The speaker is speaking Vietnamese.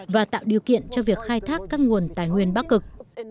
và tạo điều kiện cho việc khai thác các nguồn tài nguyên bắc cực